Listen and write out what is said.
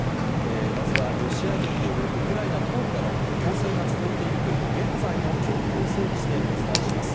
まずはロシア軍によるウクライナ東部での攻勢が続いているという現在の状況を整理してお伝えします。